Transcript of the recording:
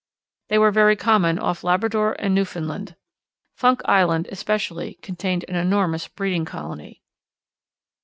They were very common off Labrador and Newfoundland. Funk Island, especially, contained an enormous breeding colony.